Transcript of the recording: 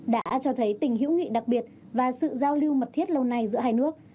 đã cho thấy tình hữu nghị đặc biệt và sự giao lưu mật thiết lâu nay giữa hai nước